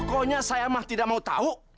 pokoknya saya mah tidak mau tahu